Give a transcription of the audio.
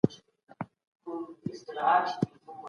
د ایران پاچا د افغانانو د تجربه نه خبر و.